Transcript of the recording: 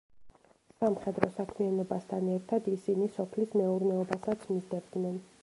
სამხედრო საქმიანობასთან ერთად ისინი სოფლის მეურნეობასაც მისდევდნენ.